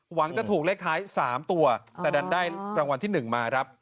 หวังจะถูกเลขท้าย๓ตัวแต่ดันได้รางวัลที่๑มาครับ